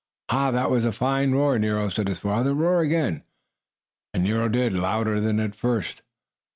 "Ha, that was a fine roar, Nero!" said his father. "Roar again!" And Nero did, louder than at first.